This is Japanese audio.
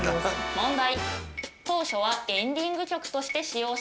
問題。